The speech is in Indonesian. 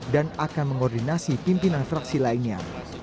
dan akan mengoordinasi pimpinan fraksi lainnya